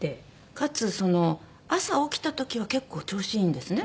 かつその朝起きた時は結構調子いいんですね。